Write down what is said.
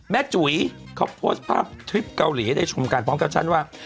จุ๋ยเขาโพสต์ภาพทริปเกาหลีให้ได้ชมกันพร้อมแคปชั่นว่า